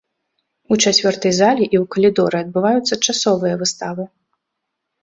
У чацвёртай залі і ў калідоры адбываюцца часовыя выставы.